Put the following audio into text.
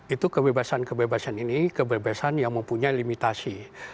itu kebebasan kebebasan ini kebebasan yang mempunyai limitasi